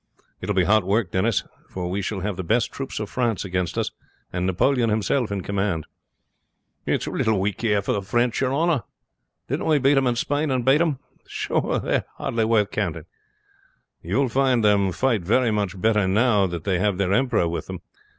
"It will be hot work, Denis; for we shall have the best troops of France against us, and Napoleon himself in command." "It's little we care for the French, your honor. Didn't we meet them in Spain and bate them? Sure, they are are hardly worth counting." "You will find them fight very much better now they have their emperor with them.